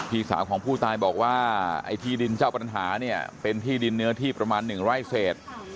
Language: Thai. พี่สาวของผู้ตายบอกว่าไอ้ที่ดินเจ้าปัญหาเนี่ยเป็นที่ดินเนื้อที่ประมาณ๑ไร่เศษ